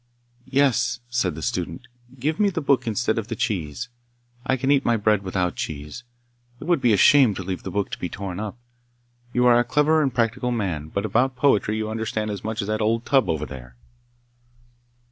'Yes,' said the student, 'give me the book instead of the cheese. I can eat my bread without cheese. It would be a shame to leave the book to be torn up. You are a clever and practical man, but about poetry you understand as much as that old tub over there!